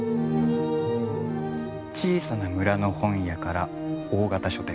小さな村の本屋から大型書店まで。